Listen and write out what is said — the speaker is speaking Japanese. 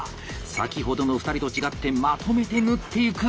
先ほどの２人と違ってまとめて縫っていく！